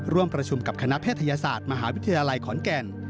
ร่วมประชุมกับคณะแพทยศาสตร์มหาวิทยาลัยขอนแก่น